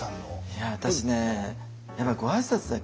いや私ねやっぱご挨拶だけは。